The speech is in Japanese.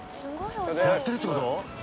やってるって事？